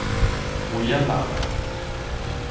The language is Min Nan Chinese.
梅仔林